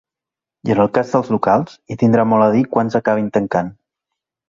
I en el cas dels locals, hi tindrà molt a dir quants acabin tancant.